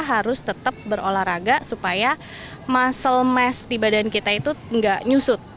harus tetap berolahraga supaya muscle mass di badan kita itu nggak nyusut